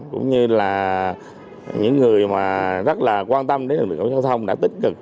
cũng như là những người mà rất là quan tâm đến hình ảnh giao thông đã tích cực